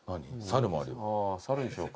猿もあるよ。